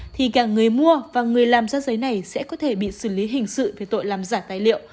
thì cả người mua và người làm ra giấy này sẽ có thể bị xử lý hình sự về tội làm giả tài liệu